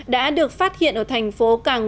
đã được phát hiện ở thành phố cảng